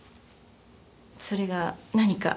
それが何か？